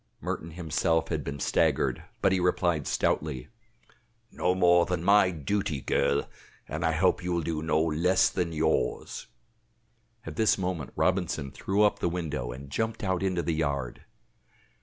Merton himself had been staggered, but he replied stoutly: "No more than my duty, girl, and I hope you will do no less than yours." At this moment Robinson threw up the window and jumped out into the yard.